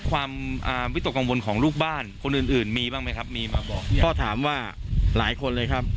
ความวิตกกังวลของลูกบ้านคนอื่นมีบ้างมั้ยครับพ่อถามว่าหลายคนเลยครับ